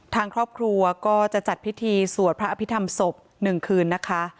ทางครอบครัวก็จะจัดพิธีสวดพระอภิษฐรรมศพ๑คืนนะคะ